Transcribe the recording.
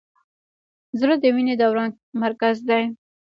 زړه د وینې دوران مرکز دی.